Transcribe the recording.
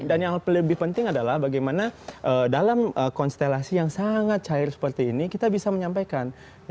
dan yang lebih penting adalah bagaimana dalam konstelasi yang sangat cair seperti ini kita bisa menyampaikan